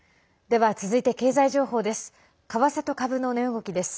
では、続いて経済情報です。